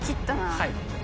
はい。